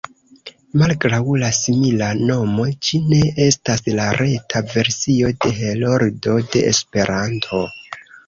Malgraŭ la simila nomo, ĝi ne estas la reta versio de Heroldo de Esperanto.